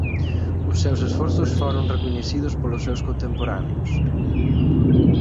Os seus esforzos foron recoñecidos polos seus contemporáneos.